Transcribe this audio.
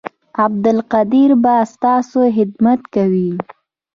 عبدالقدیر به ستاسو خدمت کوي